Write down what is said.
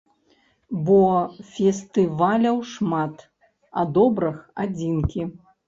Бо фестываляў шмат, а добрых адзінкі.